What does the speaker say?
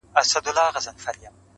په لوړو سترګو ځمه له جهانه قاسم یاره.